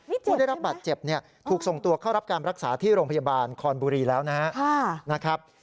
ผู้ได้รับบาดเจ็บเนี่ยถูกส่งตัวเข้ารับการรักษาที่โรงพยาบาลคอนบุรีแล้วนะครับ